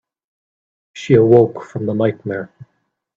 She awoke from the nightmare.